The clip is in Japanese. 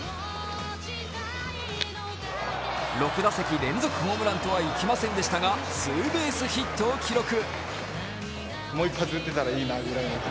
６打席連続ホームランとはいきませんでしたがツーベースヒットを記録。